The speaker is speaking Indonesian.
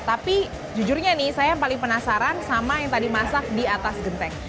tapi jujurnya nih saya yang paling penasaran sama yang tadi masak di atas genteng